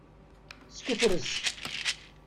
Sketres.